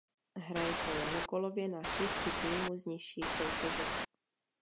Hraje se jednokolově na hřišti týmu z nižší soutěže.